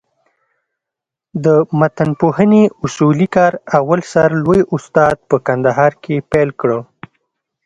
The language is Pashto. د متنپوهني اصولي کار اول سر لوى استاد په کندهار کښي پېل کړ.